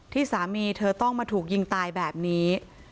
ที่สามีเธอต้องมาถูกยิงตายแบบนี้